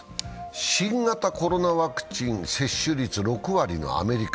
新コロナワクチン接種率が６割のアメリカ。